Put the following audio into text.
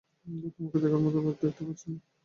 যারা তোমার মতো দেখতে পাচ্ছে না?